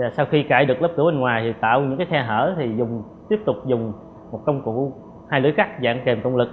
sau khi cãi được lớp cửa bên ngoài tạo những xe hở tiếp tục dùng công cụ hai lưới cắt dạng kèm công lực